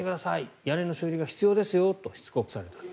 屋根の修理が必要ですよとしつこくされた。